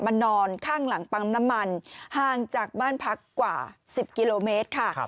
นอนข้างหลังปั๊มน้ำมันห่างจากบ้านพักกว่า๑๐กิโลเมตรค่ะ